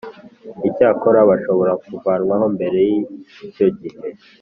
Icyakora bashobora kuvanwaho mbere y icyo gihe